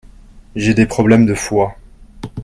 J'ai des problèmes de foie.